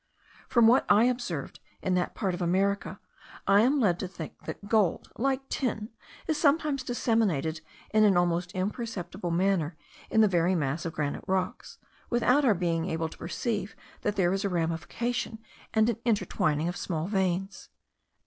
From what I observed in that part of America, I am led to think that gold, like tin,* is sometimes disseminated in an almost imperceptible manner in the very mass of granite rocks, without our being able to perceive that there is a ramification and an intertwining of small veins.